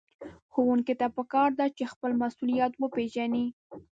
ښوونکي ته پکار ده چې خپل مسؤليت وپېژني.